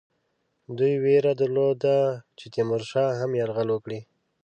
دوی وېره درلوده چې تیمورشاه هم یرغل وکړي.